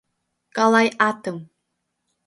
Калай атым.